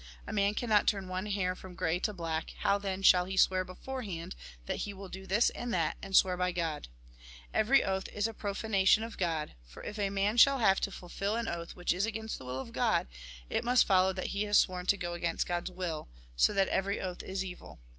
A man cannot turn one hair from grey to black ; how then shall he swear beforehand, that he will do this and that, and swear by God ? Every oath is a profanation of God, for, if a man Mt. V. 31. Mt. V. 33. GOD'S KINGDOM S3 , 37. 41. vi. 80. 37. shall have to fulfil an oath which is against the will of God, it must follow that he has sworn to go against God's will ; so that every oath is evil.